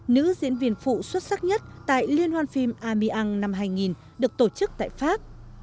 nữ diễn viên phụ xuất sắc nhất tại liên hoan phim amian năm hai nghìn được tổ chức tại pháp